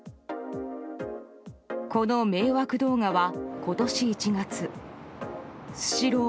この迷惑動画は今年１月スシロー